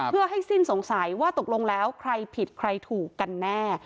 เพื่อให้สิ้นสงสัยว่าตกลงแล้วใครผิดใครถูกกันแน่